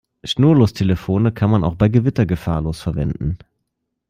Schnurlostelefone kann man auch bei Gewitter gefahrlos verwenden.